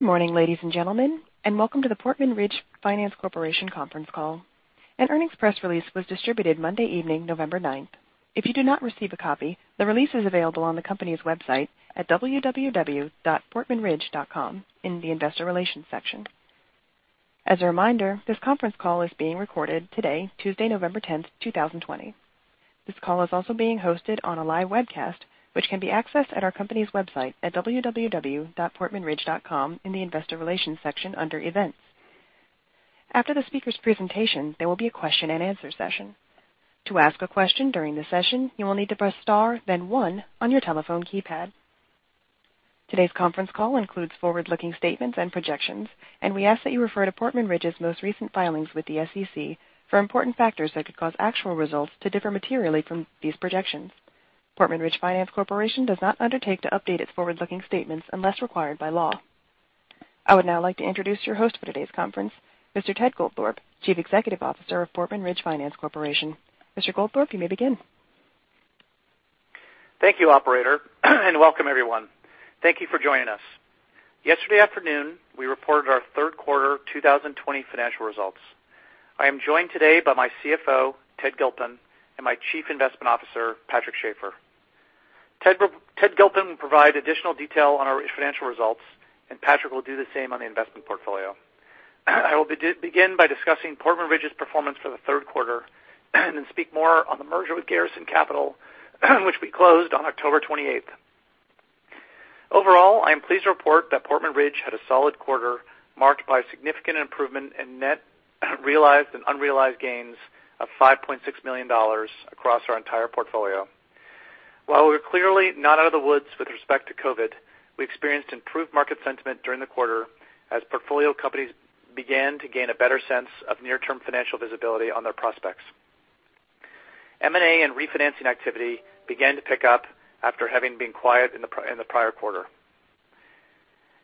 Good morning, ladies and gentlemen, and welcome to the Portman Ridge Finance Corporation conference call. An earnings press release was distributed Monday evening, November 9th. If you do not receive a copy, the release is available on the company's website at www.portmanridge.com in the investor relations section. As a reminder, this conference call is being recorded today, Tuesday, November 10th, 2020. This call is also being hosted on a live webcast, which can be accessed at our company's website at www.portmanridge.com in the investor relations section under events. After the speaker's presentation, there will be a question and answer session. To ask a question during the session, you will need to press star, then one on your telephone keypad. Today's conference call includes forward-looking statements and projections, and we ask that you refer to Portman Ridge's most recent filings with the SEC for important factors that could cause actual results to differ materially from these projections. Portman Ridge Finance Corporation does not undertake to update its forward-looking statements unless required by law. I would now like to introduce your host for today's conference, Mr. Ted Goldthorpe, Chief Executive Officer of Portman Ridge Finance Corporation. Mr. Goldthorpe, you may begin. Thank you, Operator, and welcome, everyone. Thank you for joining us. Yesterday afternoon, we reported our third quarter 2020 financial results. I am joined today by my CFO, Ted Gilpin, and my Chief Investment Officer Patrick Schafer. Ted Gilpin will provide additional detail on our financial results, and Patrick will do the same on the investment portfolio. I will begin by discussing Portman Ridge's performance for the third quarter and then speak more on the merger with Garrison Capital, which we closed on October 28th. Overall, I am pleased to report that Portman Ridge had a solid quarter marked by significant improvement in net realized and unrealized gains of $5.6 million across our entire portfolio. While we were clearly not out of the woods with respect to COVID, we experienced improved market sentiment during the quarter as portfolio companies began to gain a better sense of near-term financial visibility on their prospects. M&A and refinancing activity began to pick up after having been quiet in the prior quarter.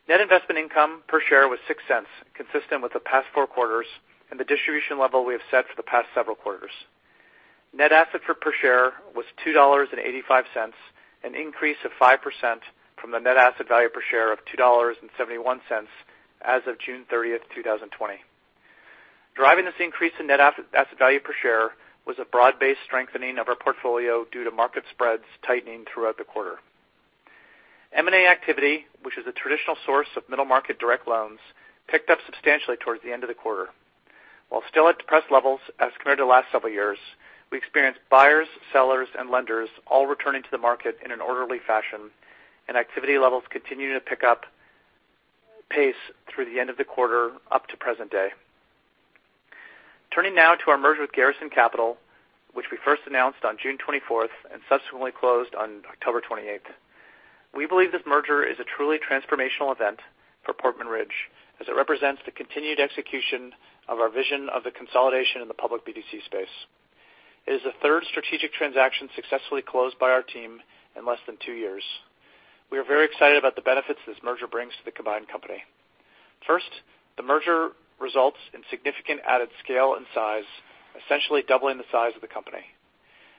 Net investment income per share was $0.06, consistent with the past four quarters and the distribution level we have set for the past several quarters. Net asset value per share was $2.85, an increase of 5% from the net asset value per share of $2.71 as of June 30th, 2020. Driving this increase in net asset value per share was a broad-based strengthening of our portfolio due to market spreads tightening throughout the quarter. M&A activity, which is a traditional source of middle market direct loans, picked up substantially towards the end of the quarter. While still at depressed levels as compared to the last several years, we experienced buyers, sellers, and lenders all returning to the market in an orderly fashion, and activity levels continued to pick up pace through the end of the quarter up to present day. Turning now to our merger with Garrison Capital, which we first announced on June 24th and subsequently closed on October 28th, we believe this merger is a truly transformational event for Portman Ridge as it represents the continued execution of our vision of the consolidation in the public BDC space. It is the third strategic transaction successfully closed by our team in less than two years. We are very excited about the benefits this merger brings to the combined company. First, the merger results in significant added scale and size, essentially doubling the size of the company.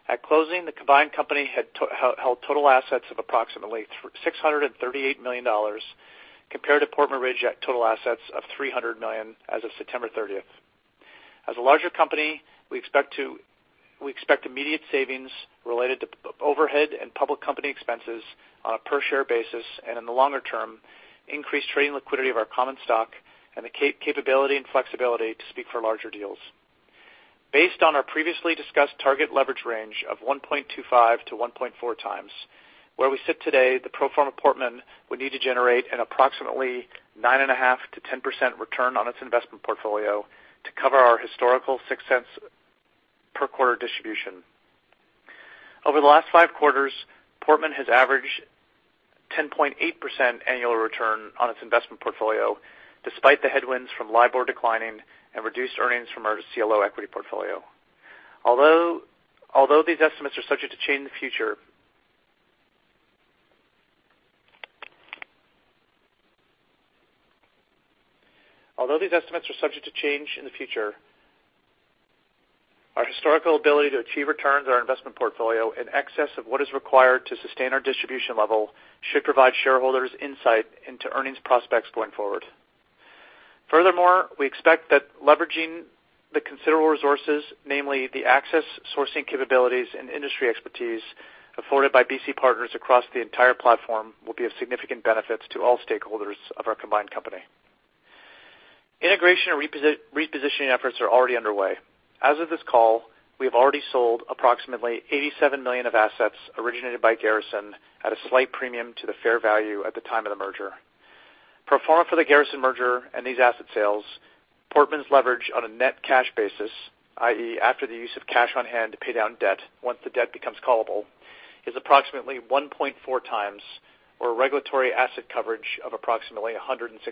At closing, the combined company had held total assets of approximately $638 million compared to Portman Ridge at total assets of $300 million as of September 30th. As a larger company, we expect immediate savings related to overhead and public company expenses on a per-share basis and, in the longer term, increased trading liquidity of our common stock and the capability and flexibility to speak for larger deals. Based on our previously discussed target leverage range of 1.25x-1.4x, where we sit today, the pro forma Portman would need to generate an approximately 9.5%-10% return on its investment portfolio to cover our historical $0.06 per quarter distribution. Over the last five quarters, Portman has averaged 10.8% annual return on its investment portfolio despite the headwinds from LIBOR declining and reduced earnings from our CLO equity portfolio. Although these estimates are subject to change in the future, our historical ability to achieve returns on our investment portfolio in excess of what is required to sustain our distribution level should provide shareholders insight into earnings prospects going forward. Furthermore, we expect that leveraging the considerable resources, namely the access, sourcing capabilities, and industry expertise afforded by BC Partners across the entire platform, will be of significant benefit to all stakeholders of our combined company. Integration and repositioning efforts are already underway. As of this call, we have already sold approximately $87 million of assets originated by Garrison at a slight premium to the fair value at the time of the merger. Pro forma for the Garrison merger and these asset sales, Portman's leverage on a net cash basis, i.e., after the use of cash on hand to pay down debt once the debt becomes callable, is approximately 1.4x our regulatory asset coverage of approximately 169%.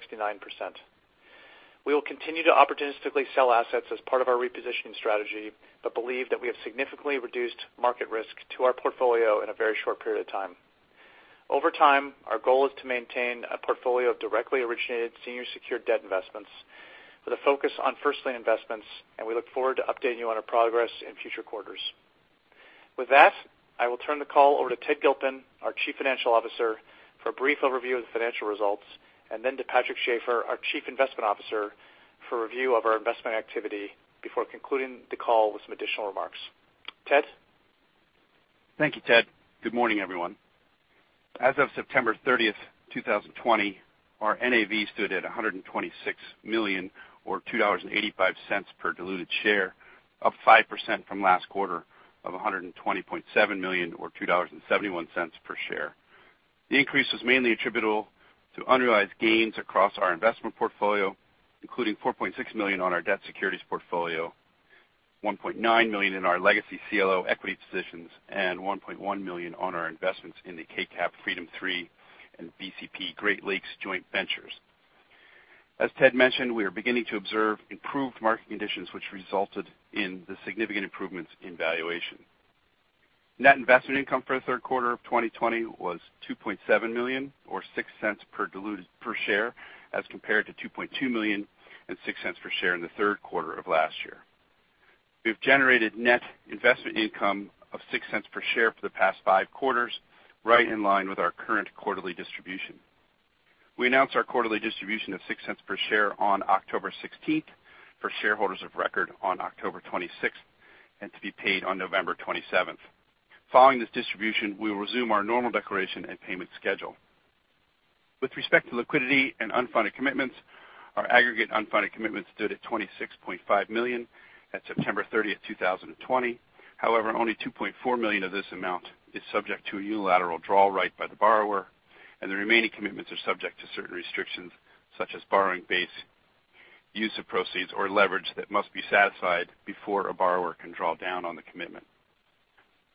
We will continue to opportunistically sell assets as part of our repositioning strategy but believe that we have significantly reduced market risk to our portfolio in a very short period of time. Over time, our goal is to maintain a portfolio of directly originated senior secured debt investments with a focus on first-lien investments, and we look forward to updating you on our progress in future quarters. With that, I will turn the call over to Ted Gilpin, our Chief Financial Officer, for a brief overview of the financial results, and then to Patrick Schafer, our Chief Investment Officer, for review of our investment activity before concluding the call with some additional remarks. Ted? Thank you, Ted. Good morning, everyone. As of September 30th, 2020, our NAV stood at $126 million, or $2.85 per diluted share, up 5% from last quarter of $120.7 million, or $2.71 per share. The increase was mainly attributable to unrealized gains across our investment portfolio, including $4.6 million on our debt securities portfolio, $1.9 million in our legacy CLO equity positions, and $1.1 million on our investments in the KCAP Freedom 3 and BCP Great Lakes Joint Ventures. As Ted mentioned, we are beginning to observe improved market conditions, which resulted in the significant improvements in valuation. Net investment income for the third quarter of 2020 was $2.7 million, or $0.06 per share, as compared to $2.2 million and $0.06 per share in the third quarter of last year. We have generated net investment income of $0.06 per share for the past five quarters, right in line with our current quarterly distribution. We announced our quarterly distribution of $0.06 per share on October 16th for shareholders of record on October 26th and to be paid on November 27th. Following this distribution, we will resume our normal declaration and payment schedule. With respect to liquidity and unfunded commitments, our aggregate unfunded commitments stood at $26.5 million at September 30th, 2020. However, only $2.4 million of this amount is subject to a unilateral draw right by the borrower, and the remaining commitments are subject to certain restrictions such as borrowing base, use of proceeds, or leverage that must be satisfied before a borrower can draw down on the commitment.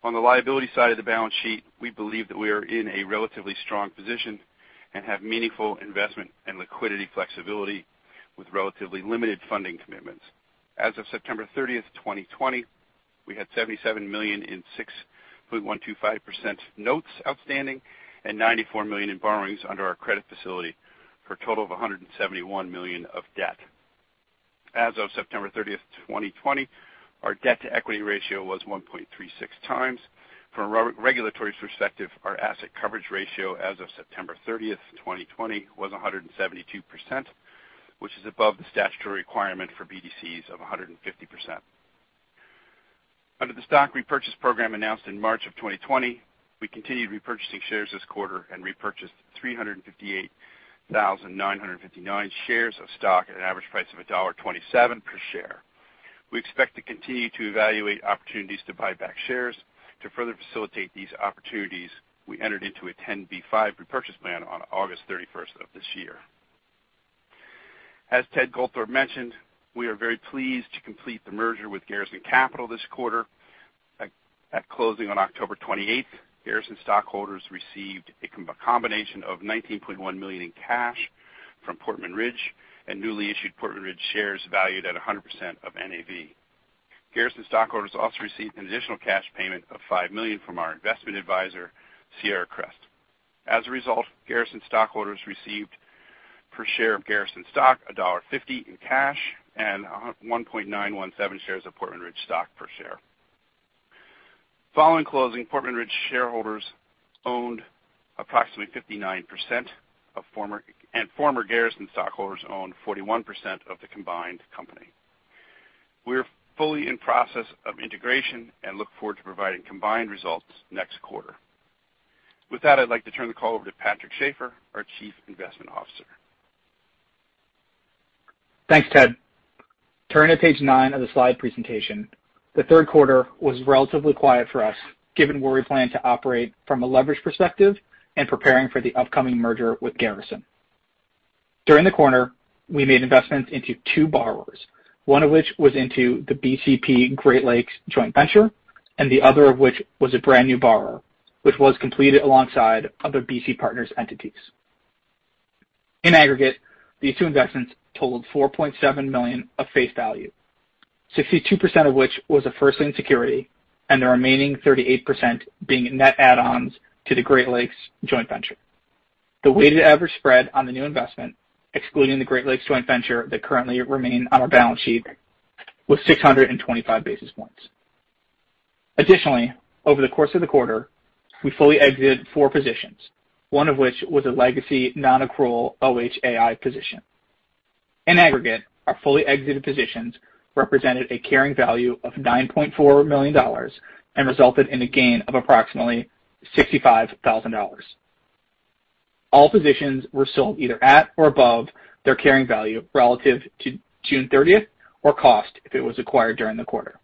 On the liability side of the balance sheet, we believe that we are in a relatively strong position and have meaningful investment and liquidity flexibility with relatively limited funding commitments. As of September 30th, 2020, we had $77 million in 6.125% notes outstanding and $94 million in borrowings under our credit facility for a total of $171 million of debt. As of September 30th, 2020, our debt to equity ratio was 1.36x. From a regulatory perspective, our asset coverage ratio as of September 30th, 2020, was 172%, which is above the statutory requirement for BDCs of 150%. Under the stock repurchase program announced in March of 2020, we continued repurchasing shares this quarter and repurchased 358,959 shares of stock at an average price of $1.27 per share. We expect to continue to evaluate opportunities to buy back shares. To further facilitate these opportunities, we entered into a 10b5-1 repurchase plan on August 31st of this year. As Ted Goldthorpe mentioned, we are very pleased to complete the merger with Garrison Capital this quarter. At closing on October 28th, Garrison stockholders received a combination of $19.1 million in cash from Portman Ridge and newly issued Portman Ridge shares valued at 100% of NAV. Garrison stockholders also received an additional cash payment of $5 million from our investment advisor, Sierra Crest. As a result, Garrison stockholders received per share of Garrison stock $1.50 in cash and 1.917 shares of Portman Ridge stock per share. Following closing, Portman Ridge shareholders owned approximately 59%, and former Garrison stockholders owned 41% of the combined company. We are fully in process of integration and look forward to providing combined results next quarter. With that, I'd like to turn the call over to Patrick Schafer, our Chief Investment Officer. Thanks, Ted. Turning to page nine of the slide presentation, the third quarter was relatively quiet for us given where we plan to operate from a leverage perspective and preparing for the upcoming merger with Garrison. During the quarter, we made investments into two borrowers, one of which was into the BCP Great Lakes Joint Venture and the other of which was a brand new borrower, which was completed alongside other BC Partners entities. In aggregate, these two investments totaled $4.7 million of face value, 62% of which was a first-lien security and the remaining 38% being net add-ons to the Great Lakes Joint Venture. The weighted average spread on the new investment, excluding the Great Lakes Joint Venture that currently remained on our balance sheet, was 625 basis points. Additionally, over the course of the quarter, we fully exited four positions, one of which was a legacy non-accrual OHAI position. In aggregate, our fully exited positions represented a carrying value of $9.4 million and resulted in a gain of approximately $65,000. All positions were sold either at or above their carrying value relative to June 30th or cost if it was acquired during the quarter.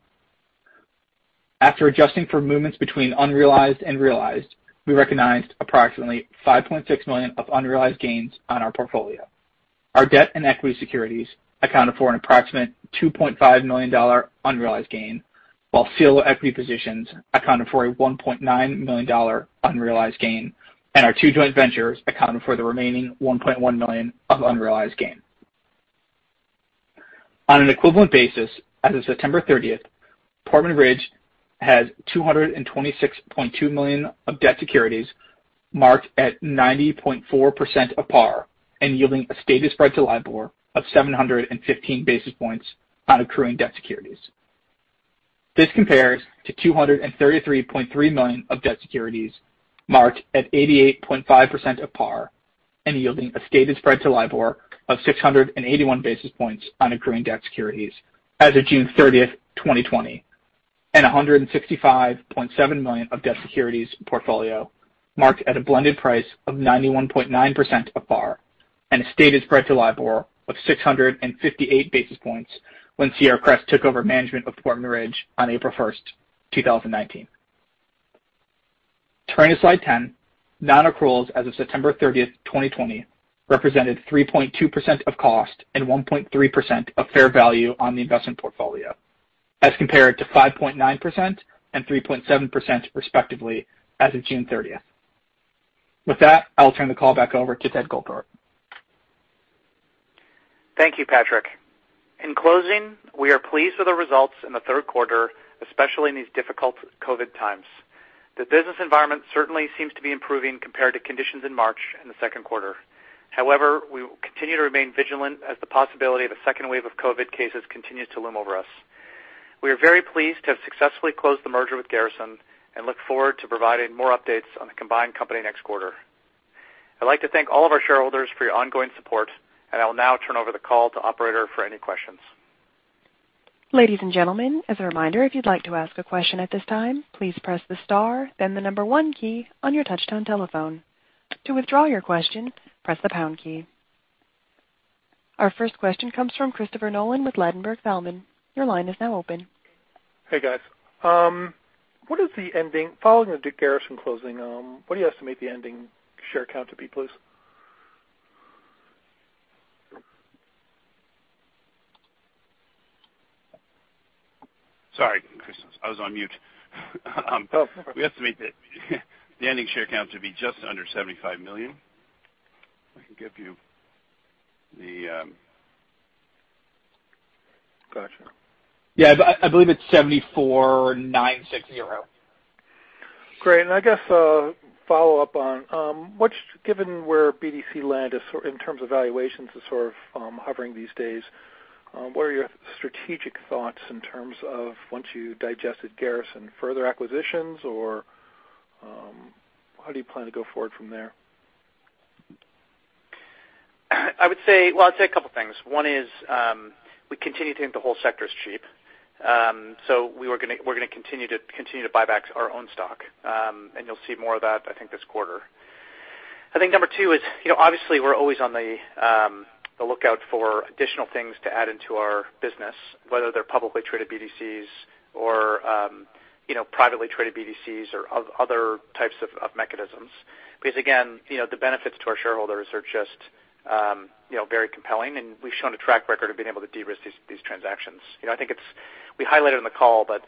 After adjusting for movements between unrealized and realized, we recognized approximately $5.6 million of unrealized gains on our portfolio. Our debt and equity securities accounted for an approximate $2.5 million unrealized gain, while CLO equity positions accounted for a $1.9 million unrealized gain, and our two joint ventures accounted for the remaining $1.1 million of unrealized gain. On an equivalent basis, as of September 30th, Portman Ridge has $226.2 million of debt securities marked at 90.4% of par and yielding a stated spread to LIBOR of 715 basis points on accruing debt securities. This compares to $233.3 million of debt securities marked at 88.5% of par and yielding a stated spread to LIBOR of 681 basis points on accruing debt securities as of June 30th, 2020, and $165.7 million of debt securities portfolio marked at a blended price of 91.9% of par and a stated spread to LIBOR of 658 basis points when Sierra Crest took over management of Portman Ridge on April 1st, 2019. Turning to slide 10, non-accruals as of September 30th, 2020, represented 3.2% of cost and 1.3% of fair value on the investment portfolio as compared to 5.9% and 3.7% respectively as of June 30th. With that, I'll turn the call back over to Ted Goldthorpe. Thank you, Patrick. In closing, we are pleased with the results in the third quarter, especially in these difficult COVID times. The business environment certainly seems to be improving compared to conditions in March and the second quarter. However, we will continue to remain vigilant as the possibility of a second wave of COVID cases continues to loom over us. We are very pleased to have successfully closed the merger with Garrison and look forward to providing more updates on the combined company next quarter. I'd like to thank all of our shareholders for your ongoing support, and I will now turn over the call to operator for any questions. Ladies and gentlemen, as a reminder, if you'd like to ask a question at this time, please press the star, then the number one key on your touch-tone telephone. To withdraw your question, press the pound key. Our first question comes from Christopher Nolan with Ladenburg Thalmann. Your line is now open. Hey, guys. What is the ending following the Garrison closing, what do you estimate the ending share count to be, please? Sorry, I was on mute. Oh, no problem. We estimate the ending share count to be just under 75 million. I can give you the. Gotcha. Yeah, I believe it's 74,960. Great. And I guess a follow-up on, given where BDC landed in terms of valuations that's sort of hovering these days, what are your strategic thoughts in terms of once you digested Garrison, further acquisitions, or how do you plan to go forward from there? I would say, well, I'd say a couple of things. One is we continue to think the whole sector is cheap, so we're going to continue to buy back our own stock, and you'll see more of that, I think, this quarter. I think number two is, obviously, we're always on the lookout for additional things to add into our business, whether they're publicly traded BDCs or privately traded BDCs or other types of mechanisms. Because again, the benefits to our shareholders are just very compelling, and we've shown a track record of being able to de-risk these transactions. I think we highlighted on the call, but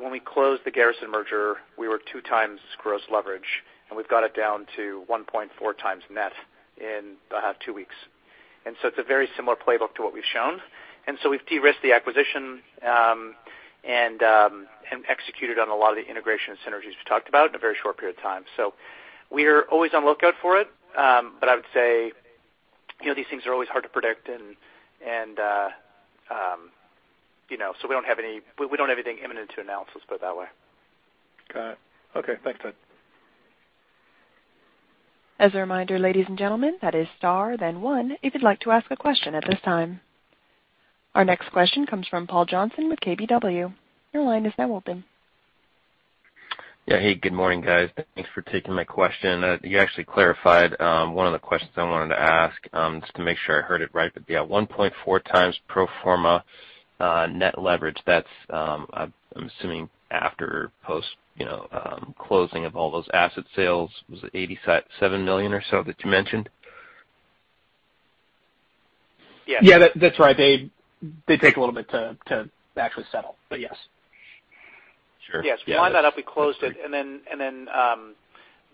when we closed the Garrison merger, we were 2x gross leverage, and we've got it down to 1.4x net in about two weeks. And so it's a very similar playbook to what we've shown, and so we've de-risked the acquisition and executed on a lot of the integration and synergies we've talked about in a very short period of time. So we are always on the lookout for it, but I would say these things are always hard to predict, and so we don't have anything imminent to announce to put it that way. Got it. Okay. Thanks, Ted. As a reminder, ladies and gentlemen, that is star, then one, if you'd like to ask a question at this time. Our next question comes from Paul Johnson with KBW. Your line is now open. Yeah. Hey, good morning, guys. Thanks for taking my question. You actually clarified one of the questions I wanted to ask just to make sure I heard it right, but yeah, 1.4x pro forma net leverage, that's, I'm assuming, after post-closing of all those asset sales, was it $87 million or so that you mentioned? Yeah. Yeah, that's right. They take a little bit to actually settle, but yes. Yes. Line that up, we closed it, and then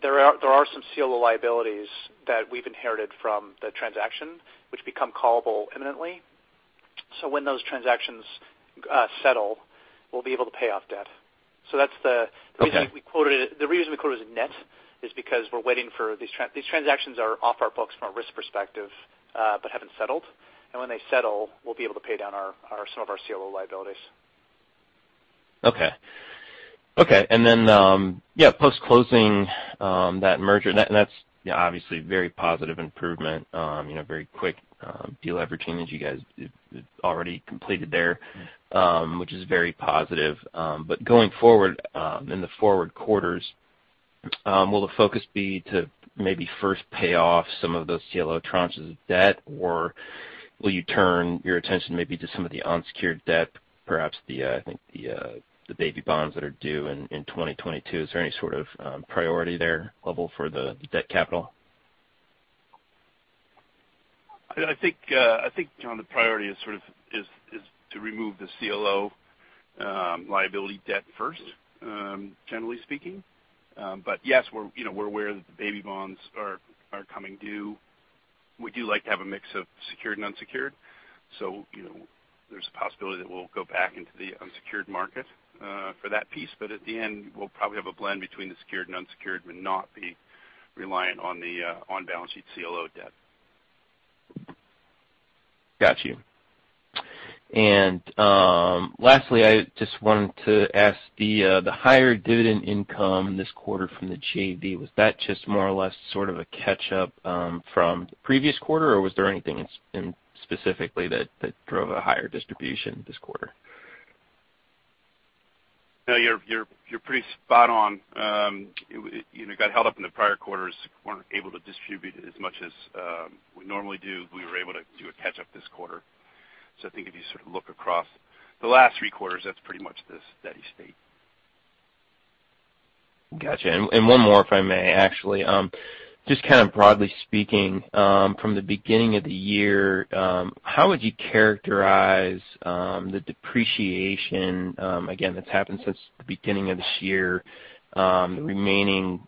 there are some CLO liabilities that we've inherited from the transaction which become callable imminently. So when those transactions settle, we'll be able to pay off debt. So that's the reason we quoted it. The reason we quoted it as net is because we're waiting for these transactions are off our books from a risk perspective but haven't settled, and when they settle, we'll be able to pay down some of our CLO liabilities. Okay. Okay. And then, yeah, post-closing that merger, that's obviously a very positive improvement, very quick deleveraging that you guys already completed there, which is very positive. But going forward in the forward quarters, will the focus be to maybe first pay off some of those CLO tranches of debt, or will you turn your attention maybe to some of the unsecured debt, perhaps the, I think, the baby bonds that are due in 2022? Is there any sort of priority level there for the debt capital? I think, John, the priority is sort of to remove the CLO liability debt first, generally speaking. But yes, we're aware that the baby bonds are coming due. We do like to have a mix of secured and unsecured, so there's a possibility that we'll go back into the unsecured market for that piece. But at the end, we'll probably have a blend between the secured and unsecured and not be reliant on the on-balance sheet CLO debt. Gotcha. And lastly, I just wanted to ask the higher dividend income this quarter from the JV, was that just more or less sort of a catch-up from the previous quarter, or was there anything specifically that drove a higher distribution this quarter? No, you're pretty spot on. It got held up in the prior quarters. We weren't able to distribute as much as we normally do. We were able to do a catch-up this quarter. So I think if you sort of look across the last three quarters, that's pretty much this steady state. Gotcha. And one more, if I may, actually. Just kind of broadly speaking, from the beginning of the year, how would you characterize the depreciation, again, that's happened since the beginning of this year, the remaining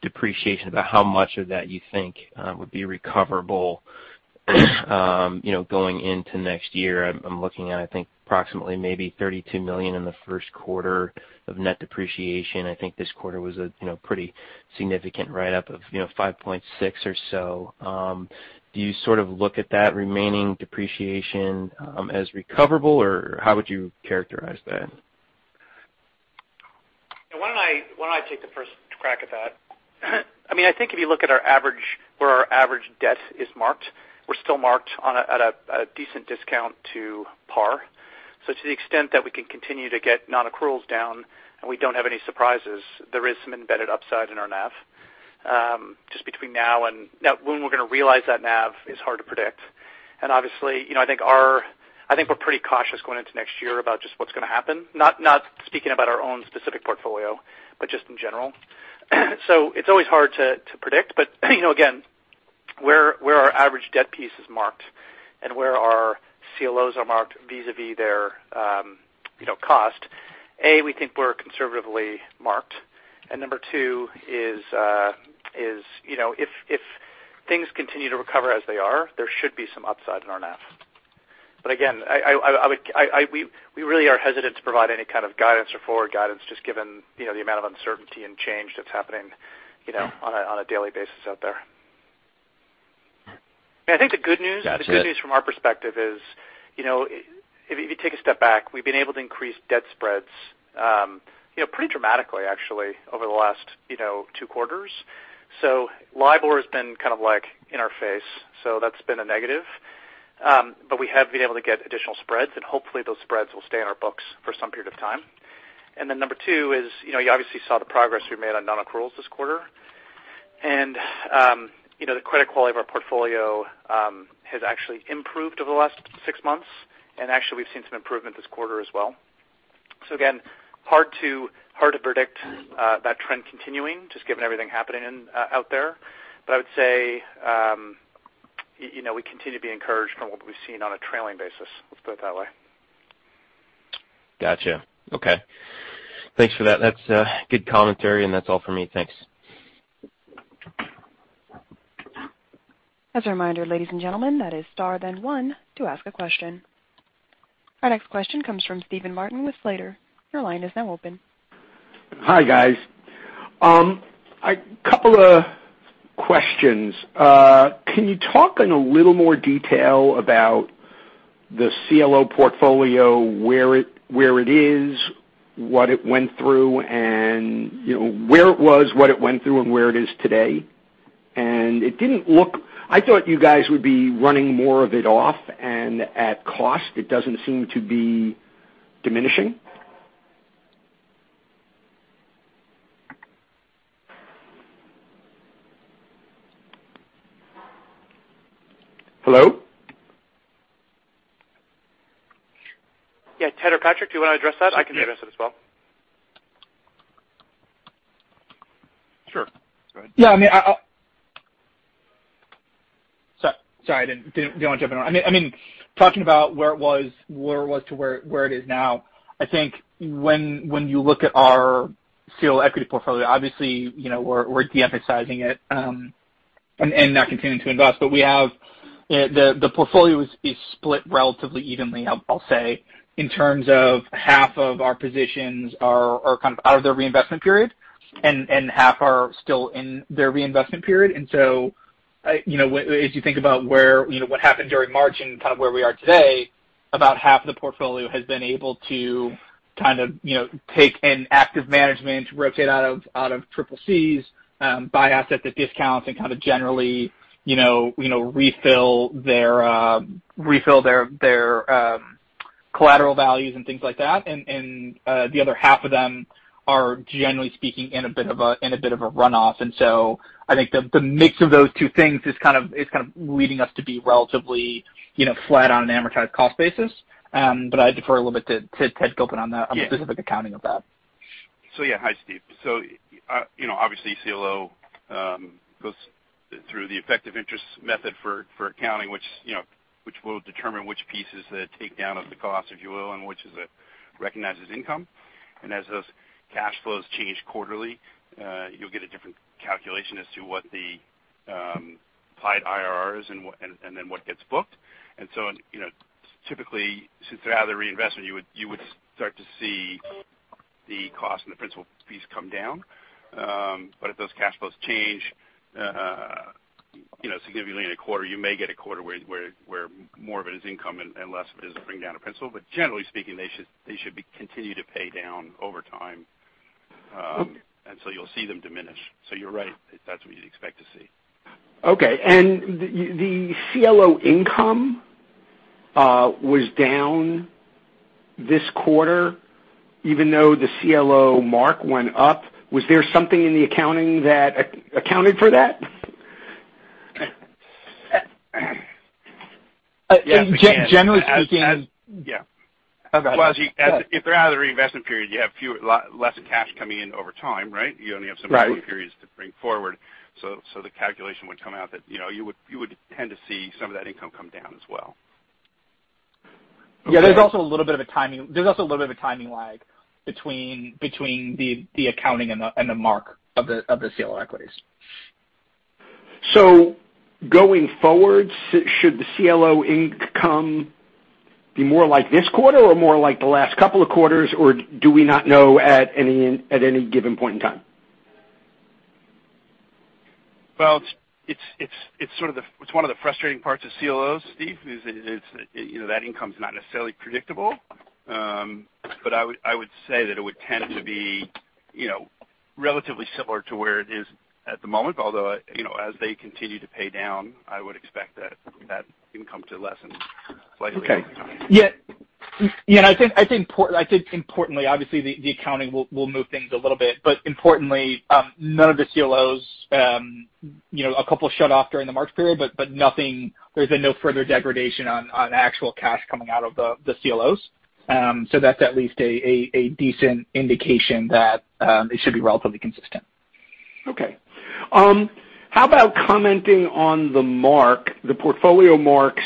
depreciation, about how much of that you think would be recoverable going into next year? I'm looking at, I think, approximately maybe $32 million in the first quarter of net depreciation. I think this quarter was a pretty significant write-up of $5.6 million or so. Do you sort of look at that remaining depreciation as recoverable, or how would you characterize that? Why don't I take the first crack at that? I mean, I think if you look at where our average debt is marked, we're still marked at a decent discount to par. So to the extent that we can continue to get non-accruals down and we don't have any surprises, there is some embedded upside in our NAV. Just between now and when we're going to realize that NAV is hard to predict. And obviously, I think we're pretty cautious going into next year about just what's going to happen, not speaking about our own specific portfolio, but just in general. So it's always hard to predict, but again, where our average debt piece is marked and where our CLOs are marked vis-à-vis their cost, A, we think we're conservatively marked, and number two is if things continue to recover as they are, there should be some upside in our NAV. But again, we really are hesitant to provide any kind of guidance or forward guidance just given the amount of uncertainty and change that's happening on a daily basis out there. I think the good news from our perspective is if you take a step back, we've been able to increase debt spreads pretty dramatically, actually, over the last two quarters. So LIBOR has been kind of in our face, so that's been a negative. But we have been able to get additional spreads, and hopefully, those spreads will stay in our books for some period of time. And then number two is you obviously saw the progress we made on non-accruals this quarter. And the credit quality of our portfolio has actually improved over the last six months, and actually, we've seen some improvement this quarter as well. So again, hard to predict that trend continuing just given everything happening out there, but I would say we continue to be encouraged from what we've seen on a trailing basis. Let's put it that way. Gotcha. Okay. Thanks for that. That's good commentary, and that's all for me. Thanks. As a reminder, ladies and gentlemen, that is star, then one, to ask a question. Our next question comes from Steven Martin with Slater. Your line is now open. Hi, guys. A couple of questions. Can you talk in a little more detail about the CLO portfolio, where it was, what it went through, and where it is today? And it didn't look. I thought you guys would be running more of it off, and at cost, it doesn't seem to be diminishing. Hello? Yeah. Ted or Patrick, do you want to address that? I can address it as well. Sure. Go ahead. Yeah. I mean. Sorry. I didn't want to jump in. I mean, talking about where it was to where it is now, I think when you look at our CLO equity portfolio, obviously, we're de-emphasizing it and not continuing to invest, but the portfolio is split relatively evenly, I'll say, in terms of half of our positions are kind of out of their reinvestment period, and half are still in their reinvestment period, and so as you think about what happened during March and kind of where we are today, about half of the portfolio has been able to kind of take an active management, rotate out of CCCs, buy assets at discounts, and kind of generally refill their collateral values and things like that, and the other half of them are, generally speaking, in a bit of a run-off. I think the mix of those two things is kind of leading us to be relatively flat on an amortized cost basis, but I defer a little bit to Ted Gilpin on the specific accounting of that. So yeah. Hi, Steve. So obviously, CLO goes through the effective interest method for accounting, which will determine which pieces that take down of the cost, if you will, and which is recognized as income. And as those cash flows change quarterly, you'll get a different calculation as to what the applied IRR is and then what gets booked. And so typically, since they're out of the reinvestment, you would start to see the cost and the principal piece come down. But if those cash flows change significantly in a quarter, you may get a quarter where more of it is income and less of it is bringing down a principal. But generally speaking, they should continue to pay down over time, and so you'll see them diminish. So you're right. That's what you'd expect to see. Okay, and the CLO income was down this quarter even though the CLO mark went up. Was there something in the accounting that accounted for that? Generally speaking. Yeah. Well, if they're out of the reinvestment period, you have less cash coming in over time, right? You only have some quarter periods to bring forward. So the calculation would come out that you would tend to see some of that income come down as well. Yeah. There's a little bit of a timing lag between the accounting and the mark of the CLO equities. So going forward, should the CLO income be more like this quarter or more like the last couple of quarters, or do we not know at any given point in time? It's sort of one of the frustrating parts of CLOs, Steve, is that income's not necessarily predictable. But I would say that it would tend to be relatively similar to where it is at the moment, although as they continue to pay down, I would expect that income to lessen slightly. Okay. Yeah. I think, importantly, obviously, the accounting will move things a little bit. But importantly, none of the CLOs, a couple shut off during the March period, but there's been no further degradation on actual cash coming out of the CLOs. So that's at least a decent indication that it should be relatively consistent. Okay. How about commenting on the portfolio marks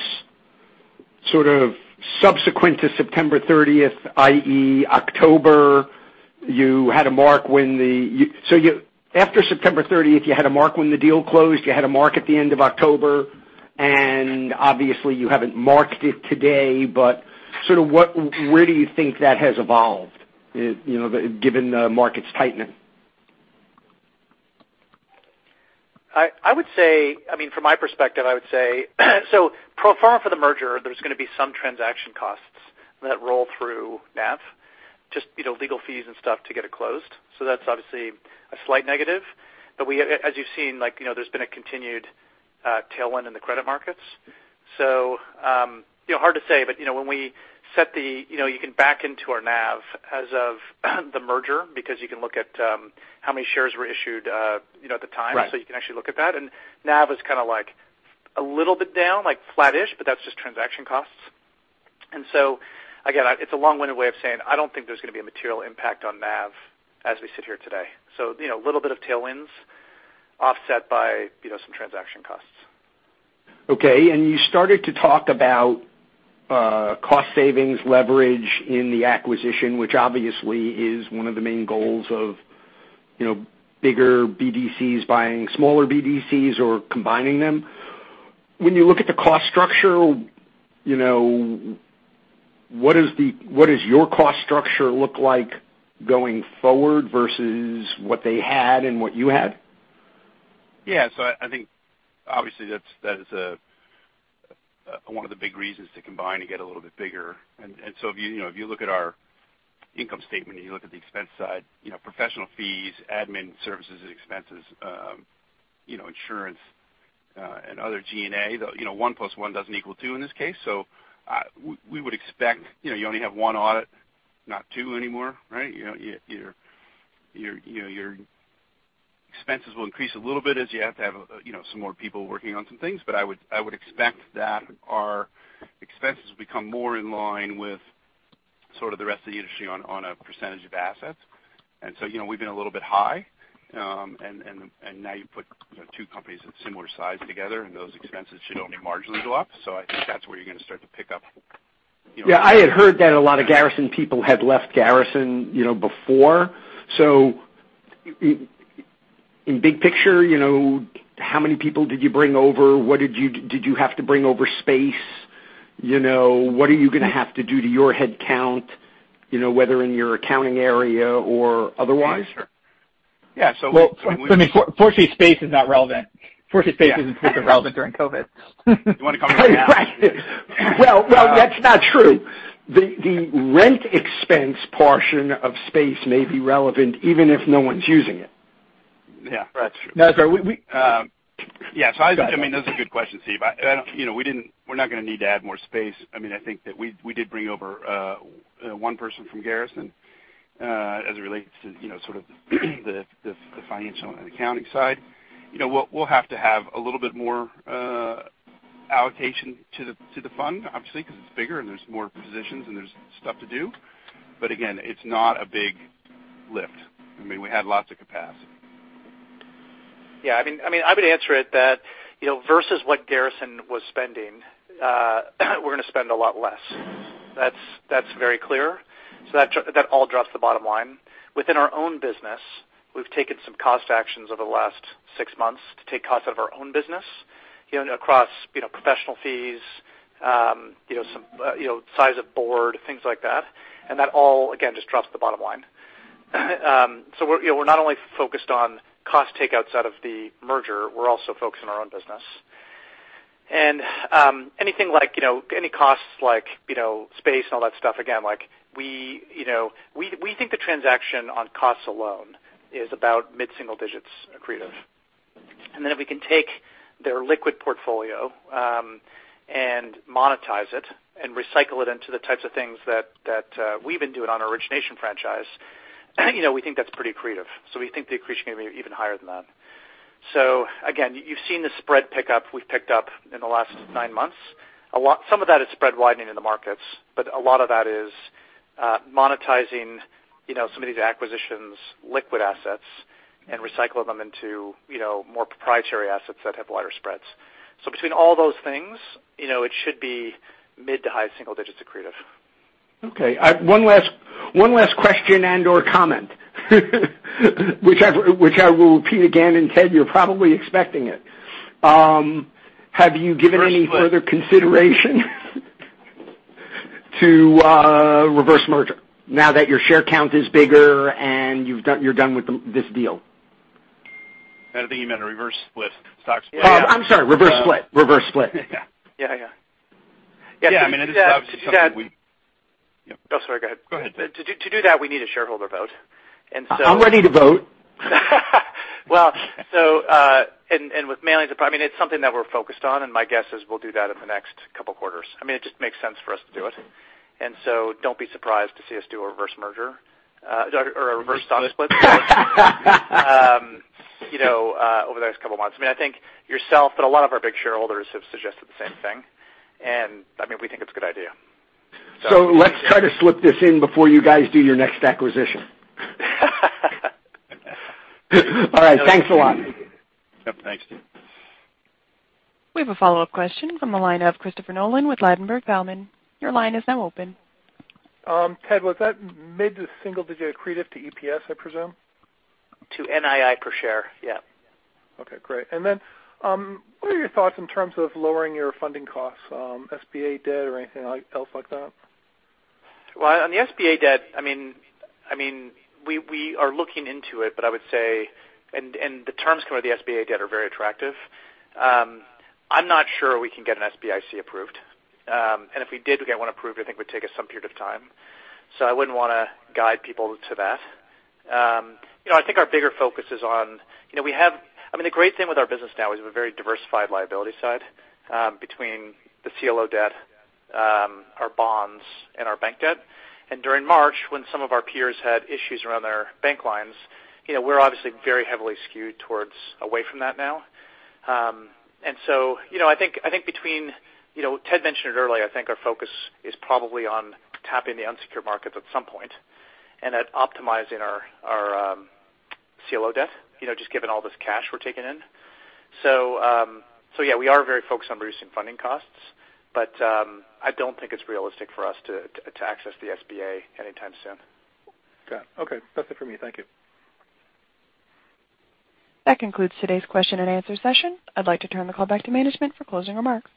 sort of subsequent to September 30th, i.e., October? So after September 30th, you had a mark when the deal closed. You had a mark at the end of October. And obviously, you haven't marked it today, but sort of where do you think that has evolved given the market's tightening? I would say, I mean, from my perspective, I would say so pro forma for the merger, there's going to be some transaction costs that roll through NAV, just legal fees and stuff to get it closed. So that's obviously a slight negative. But as you've seen, there's been a continued tailwind in the credit markets. So hard to say, but when we set the, you can back into our NAV as of the merger because you can look at how many shares were issued at the time. So you can actually look at that. And NAV is kind of a little bit down, like flattish, but that's just transaction costs. And so again, it's a long-winded way of saying I don't think there's going to be a material impact on NAV as we sit here today. So a little bit of tailwinds offset by some transaction costs. Okay. And you started to talk about cost savings, leverage in the acquisition, which obviously is one of the main goals of bigger BDCs buying smaller BDCs or combining them. When you look at the cost structure, what does your cost structure look like going forward versus what they had and what you had? Yeah. So I think, obviously, that is one of the big reasons to combine to get a little bit bigger. And so if you look at our income statement and you look at the expense side, professional fees, admin services and expenses, insurance, and other G&A, one plus one doesn't equal two in this case. So we would expect you only have one audit, not two anymore, right? Your expenses will increase a little bit as you have to have some more people working on some things, but I would expect that our expenses will become more in line with sort of the rest of the industry on a percentage of assets. And so we've been a little bit high, and now you put two companies of similar size together, and those expenses should only marginally go up. So I think that's where you're going to start to pick up. Yeah. I had heard that a lot of Garrison people had left Garrison before. So in big picture, how many people did you bring over? Did you have to bring over space? What are you going to have to do to your head count, whether in your accounting area or otherwise? Yeah. So we've. Let me [Four C]space is not relevant. [Four C] space isn't relevant during COVID. You want to come right now? That's not true. The rent expense portion of space may be relevant even if no one's using it. Yeah. That's true. Yeah. So I think, I mean, those are good questions, Steve. We're not going to need to add more space. I mean, I think that we did bring over one person from Garrison as it relates to sort of the financial and accounting side. We'll have to have a little bit more allocation to the fund, obviously, because it's bigger and there's more positions and there's stuff to do. But again, it's not a big lift. I mean, we had lots of capacity. Yeah. I mean, I would answer it that versus what Garrison was spending, we're going to spend a lot less. That's very clear, so that all drops the bottom line. Within our own business, we've taken some cost actions over the last six months to take costs out of our own business across professional fees, some size of board, things like that, and that all, again, just drops the bottom line, so we're not only focused on cost take outs out of the merger, we're also focused on our own business, and anything like any costs like space and all that stuff, again, we think the transaction on costs alone is about mid-single digits accretive, and then if we can take their liquid portfolio and monetize it and recycle it into the types of things that we've been doing on our origination franchise, we think that's pretty accretive. So we think the accretion is going to be even higher than that. So again, you've seen the spread pickup we've picked up in the last nine months. Some of that is spread widening in the markets, but a lot of that is monetizing some of these acquisitions liquid assets and recycling them into more proprietary assets that have wider spreads. So between all those things, it should be mid to high single digits accretive. Okay. One last question and/or comment, which I will repeat again, and Ted, you're probably expecting it. Have you given any further consideration to reverse merger now that your share count is bigger and you're done with this deal? I think you meant a reverse split. Stock split. I'm sorry. Reverse split. Reverse split. Yeah. Yeah. Yeah. Yeah. I mean, it is obviously something we... Oh, sorry. Go ahead. Go ahead. To do that, we need a shareholder vote, and so. I'm ready to vote. Well, and with mailings, I mean, it's something that we're focused on, and my guess is we'll do that in the next couple of quarters. I mean, it just makes sense for us to do it. And so don't be surprised to see us do a reverse merger or a reverse stock split over the next couple of months. I mean, I think yourself and a lot of our big shareholders have suggested the same thing. And I mean, we think it's a good idea. Let's try to slip this in before you guys do your next acquisition. All right. Thanks a lot. Yep. Thanks, Steve. We have a follow-up question from the line of Christopher Nolan with Ladenburg Thalmann. Your line is now open. Ted, was that mid to single digit accretive to EPS, I presume? To NII per share. Yeah. Okay. Great. And then what are your thoughts in terms of lowering your funding costs, SBA debt, or anything else like that? On the SBA debt, I mean, we are looking into it, but I would say, and the terms covered the SBA debt are very attractive. I'm not sure we can get an SBIC approved. If we did get one approved, I think it would take us some period of time. I wouldn't want to guide people to that. I think our bigger focus is on, I mean, the great thing with our business now is we have a very diversified liability side between the CLO debt, our bonds, and our bank debt. During March, when some of our peers had issues around their bank lines, we're obviously very heavily skewed towards away from that now. And so I think between, Ted mentioned it earlier, I think our focus is probably on tapping the unsecured markets at some point and at optimizing our CLO debt, just given all this cash we're taking in. So yeah, we are very focused on reducing funding costs, but I don't think it's realistic for us to access the SBA anytime soon. Got it. Okay. That's it for me. Thank you. That concludes today's question and answer session. I'd like to turn the call back to management for closing remarks.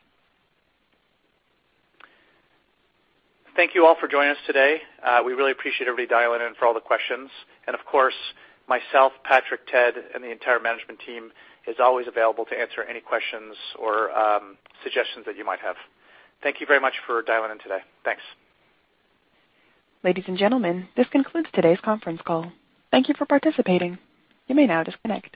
Thank you all for joining us today. We really appreciate everybody dialing in for all the questions. And of course, myself, Patrick, Ted, and the entire management team are always available to answer any questions or suggestions that you might have. Thank you very much for dialing in today. Thanks. Ladies and gentlemen, this concludes today's conference call. Thank you for participating. You may now disconnect.